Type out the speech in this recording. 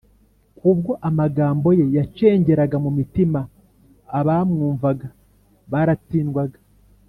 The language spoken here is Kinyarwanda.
Kubwo amagambo ye yacengeraga mu mitima, abamwumvaga baratsindwaga